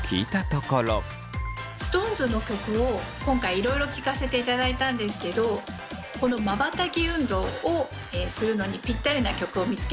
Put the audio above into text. ＳｉｘＴＯＮＥＳの曲を今回いろいろ聞かせていただいたんですけどこのまばたき運動をするのにぴったりな曲を見つけました。